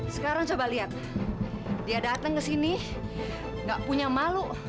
sekarang coba lihat dia datang kesini gak punya malu